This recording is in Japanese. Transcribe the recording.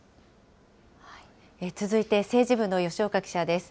続いて政治部の吉岡記者です。